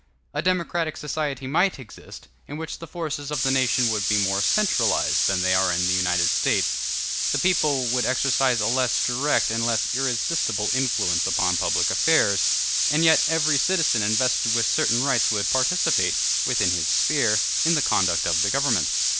A democratic society might exist, in which the forces of the nation would be more centralized than they are in the United States; the people would exercise a less direct and less irresistible influence upon public affairs, and yet every citizen invested with certain rights would participate, within his sphere, in the conduct of the government.